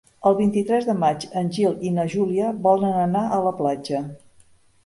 El vint-i-tres de maig en Gil i na Júlia volen anar a la platja.